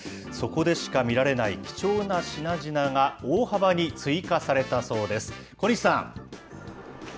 そこでしか見られない貴重な品々が大幅に追加されたそうです。